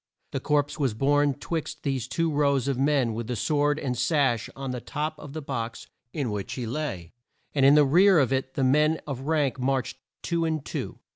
The corpse was borne twixt these two rows of men with the sword and sash on the top of the box in which he lay, and in the rear of it the men of rank marched two and two.